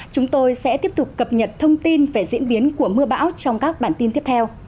chúng tôi sẽ tiếp tục cập nhật thông tin về diễn biến của mưa bão trong các bản tin tiếp theo